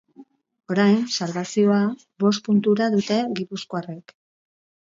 Orain, salbazioa bost puntura dute gipuzkoarrek.